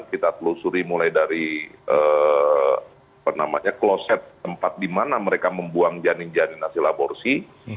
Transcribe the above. kita telusuri mulai dari kloset tempat di mana mereka membuang janin janin hasil aborsi